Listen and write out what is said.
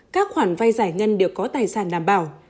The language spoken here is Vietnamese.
các khoản vay giải ngân đều có tài sản đảm bảo